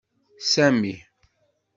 Sami.